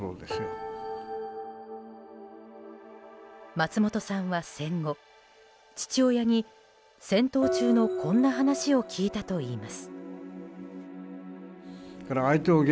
松本さんは戦後父親に戦闘中のこんな話を聞いたといいます。